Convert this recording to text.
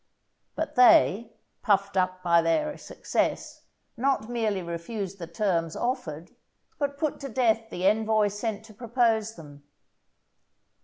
But they, puffed up by their success, not merely refused the terms offered, but put to death the envoy sent to propose them.